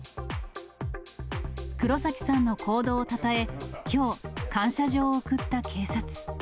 黒崎さんの行動をたたえ、きょう、感謝状を贈った警察。